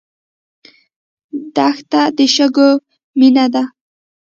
دښته د شګو مینه ده.